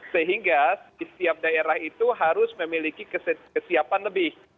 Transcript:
sehingga di setiap daerah itu harus memiliki kesiapan lebih